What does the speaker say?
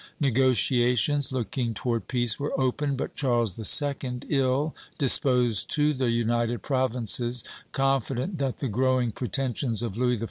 Negotiations looking toward peace were opened; but Charles II., ill disposed to the United Provinces, confident that the growing pretensions of Louis XIV.